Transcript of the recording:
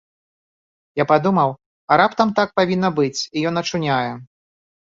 Я падумаў, а раптам так павінна быць, і ён ачуняе.